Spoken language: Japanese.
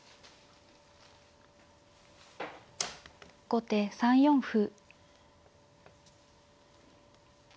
後手３四歩。